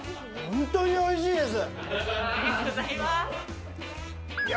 本当においしいです。